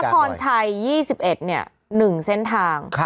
นครชาย๒๑เนี่ย๑เส้นทาง